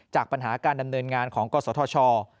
จากปัญหาการดำเนินงานของกศธช